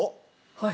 はい。